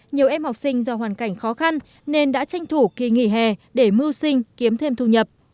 nhiều em học sinh do hoàn cảnh khó khăn nên đã tranh thủ kỳ nghỉ hè để mưu sinh kiếm thêm thu nhập